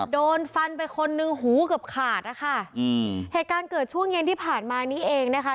โดนฟันไปคนนึงหูเกือบขาดนะคะอืมเหตุการณ์เกิดช่วงเย็นที่ผ่านมานี้เองนะคะ